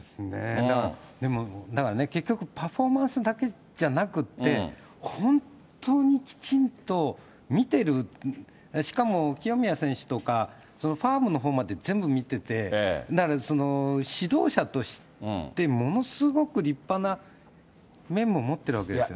だからね、結局パフォーマンスだけじゃなくて、本当にきちんと見てる、しかも清宮選手とか、ファームのほうまで全部見てて、だから指導者としてものすごく立派な面も持ってるわけですね。